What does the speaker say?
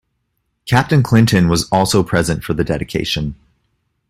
Captain Clinton was also present for the dedication.